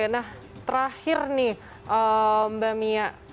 nah terakhir nih mbak mia